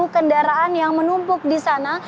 enam puluh kendaraan yang menumpuk disana